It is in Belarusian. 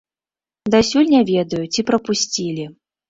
Дасюль не ведаю, ці прапусцілі.